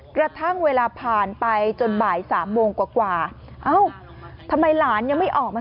กระทั่งเวลาผ่านไปจนบ่ายสามโมงกว่าเอ้าทำไมหลานยังไม่ออกมา